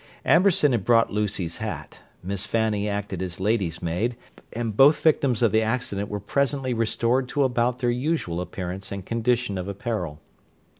Amberson had brought Lucy's hat; Miss Fanny acted as lady's maid; and both victims of the accident were presently restored to about their usual appearance and condition of apparel.